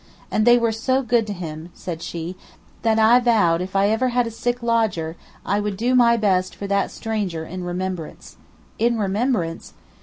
"And they were so good to him," said she, "that I vowed if ever I had a lodger sick I would do my best for that stranger in remembrance." In remembrance!